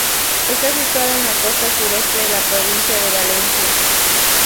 Está situada en la costa sureste de la provincia de Valencia.